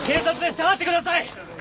下がってください！